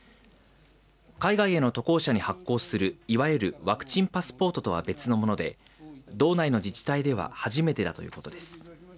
海外への渡航者に発行するいわゆるワクチンパスポートとは別のもので道内の自治体では初めてだということです。